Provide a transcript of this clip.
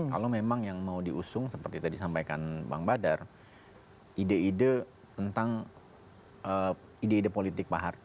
kalau memang yang mau diusung seperti tadi sampaikan bang badar ide ide tentang ide ide politik pak harto